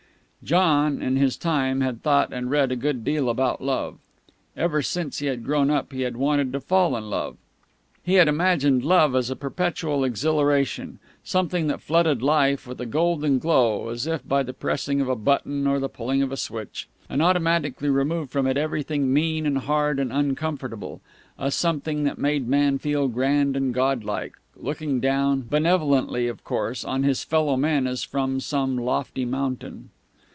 John, in his time, had thought and read a good deal about love. Ever since he had grown up, he had wanted to fall in love. He had imagined love as a perpetual exhilaration, something that flooded life with a golden glow as if by the pressing of a button or the pulling of a switch, and automatically removed from it everything mean and hard and uncomfortable; a something that made a man feel grand and god like, looking down (benevolently, of course) on his fellow men as from some lofty mountain.